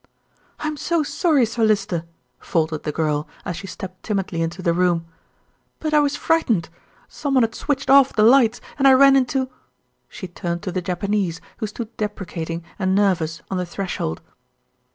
"I'm so sorry, Sir Lysier," faltered the girl, as she stepped timidly into the room, "but I was frightened. Someone had switched off the lights and I ran into " She turned to the Japanese, who stood deprecating and nervous on the threshold.